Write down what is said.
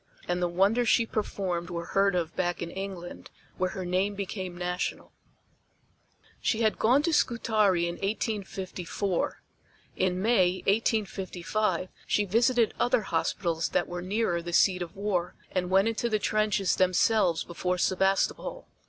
And the wonders she performed were heard of back in England, where her name became national. She had gone to Scutari in 1854. In May, 1855, she visited other hospitals that were nearer the seat of war and went into the trenches themselves before Sebastopol.